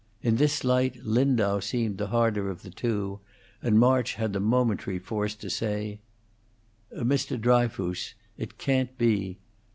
In this light Lindau seemed the harder of the two, and March had the momentary force to say "Mr. Dryfoos it can't be.